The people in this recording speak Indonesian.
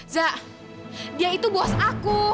za dia itu bos aku